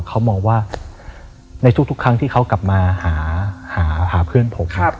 เขามองว่าในทุกครั้งที่เขากลับมาหาเพื่อนผม